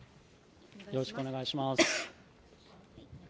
よろしくお願いします。